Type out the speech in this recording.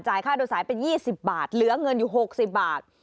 ค่าโดยสายไป๒๐บาทเหลือเงินอยู่๖๐บาท